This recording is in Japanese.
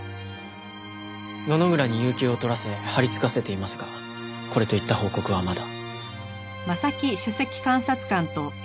野々村に有休を取らせ張りつかせていますがこれといった報告はまだ。